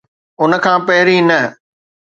ان کان پھرين نه